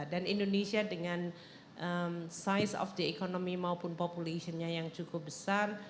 dan indonesia dengan size of the economy maupun populationnya yang cukup besar